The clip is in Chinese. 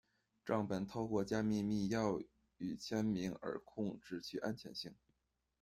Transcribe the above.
账本透过加密密钥与签名而控制其安全性。